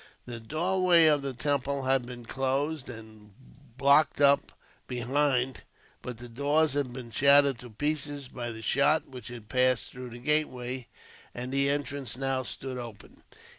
The doorway of the temple had been closed, and blocked up behind; but the doors had been shattered to pieces, by the shot which had passed through the gateway, and the entrance now stood open.